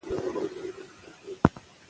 د دربار ټول کارونه میرمنو اداره کول.